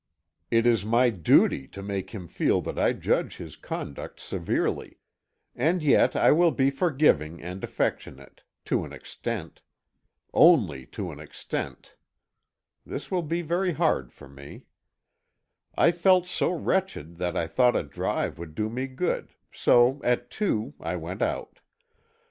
It is my duty to make him feel that I judge his conduct severely. And yet, I will be forgiving and affectionate to an extent. Only to an extent. (This will be very hard for me.) I felt so wretched that I thought a drive would do me good, so at two, I went out.